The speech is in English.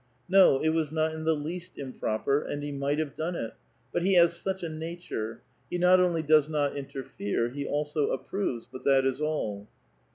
No, it was not in the least improper, and he might have done it ! But he has such a nature. He not ouly does not interfere ; he also approves, but that is all."